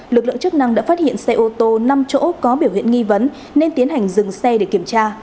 lực lượng chức năng đã phát hiện xe ô tô năm chỗ có biểu hiện nghi vấn nên tiến hành dừng xe để kiểm tra